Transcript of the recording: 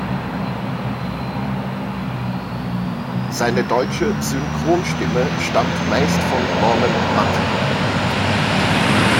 Seine deutsche Synchronstimme stammt meist von Norman Matt.